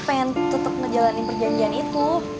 pengen tetap ngejalanin perjanjian itu